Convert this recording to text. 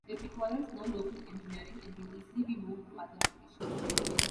It requires no local engineering, and can easily be moved to other locations.